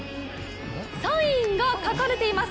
サインが書かれています。